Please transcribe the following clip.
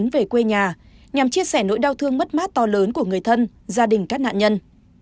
về quê nhà nhằm chia sẻ nỗi đau thương mất mát to lớn của người thân gia đình các nạn nhân